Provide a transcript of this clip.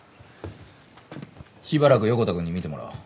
しばらく横田くんに診てもらおう。